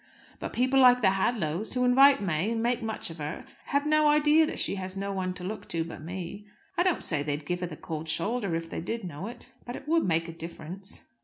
But people like the Hadlows, who invite May, and make much of her, have no idea that she has no one to look to but me. I don't say they'd give her the cold shoulder if they did know it; but it would make a difference.